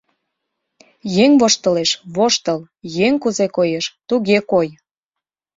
Еҥ воштылеш — воштыл; еҥ кузе коеш, туге кой.